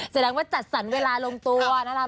แสดงว่าจัดสรรเวลาลงตัวนะครับ